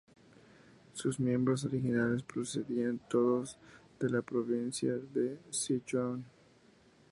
Sus miembros originales procedían todos de la provincia de Sichuan.